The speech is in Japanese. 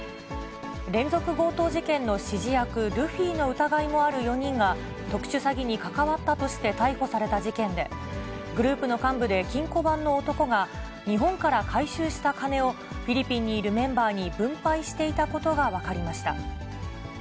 連続強盗事件の指示役、ルフィの疑いもある４人が、特殊詐欺に関わったとして逮捕された事件で、グループの幹部で金庫番の男が、日本から回収した金を、フィリピンにいるメンバーに分配していたことが分かりました。